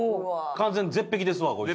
完全絶壁ですわ。